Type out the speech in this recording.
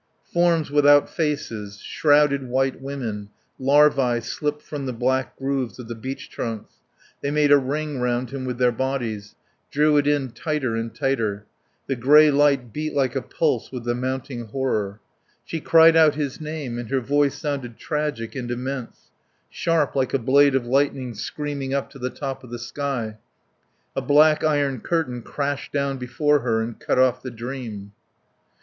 Forms without faces, shrouded white women, larvae slipped from the black grooves of the beech trunks; they made a ring round him with their bodies, drew it in tighter and tighter. The grey light beat like a pulse with the mounting horror. She cried out his name, and her voice sounded tragic and immense; sharp like a blade of lightning screaming up to the top of the sky. A black iron curtain crashed down before her and cut off the dream.